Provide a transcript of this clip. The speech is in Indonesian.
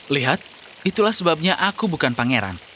lihat itulah sebabnya aku bukan pangeran